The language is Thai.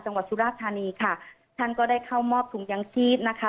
สุราธานีค่ะท่านก็ได้เข้ามอบถุงยังชีพนะคะ